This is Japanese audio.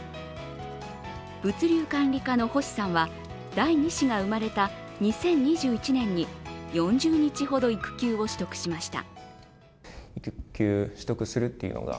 物流管理課の星さんは第２子が生まれた２０２１年に４０日ほど育休を取得しました。